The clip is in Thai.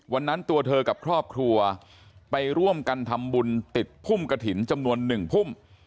วันนั้นตัวเธอกับครอบครัวไปร่วมกันทำบุญติดพุ่มกระถิ่นจำนวน๑พุ่ม